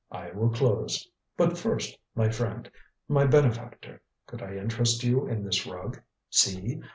I will close. But first my friend my benefactor could I interest you in this rug? See!